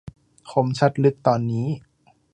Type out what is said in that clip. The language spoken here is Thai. คมชัดลึกตอนนี้